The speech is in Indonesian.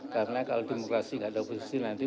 karena kalau demokrasi tidak dapat berdiri tidak akan berdiri